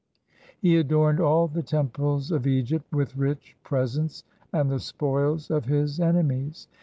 He adorned all the temples of Egypt with rich presents and the spoils of his enemies.